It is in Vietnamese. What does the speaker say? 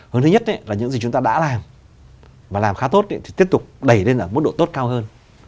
hướng thứ nhất là những gì chúng ta đã làm và làm khá tốt thì tiếp tục đẩy lên ở mức độ tốt cao hơn